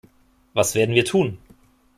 Was werden wir tun?